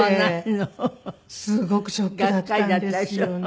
すごくショックだったんですよね。